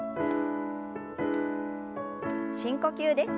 深呼吸です。